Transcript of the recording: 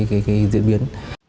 cái diễn biến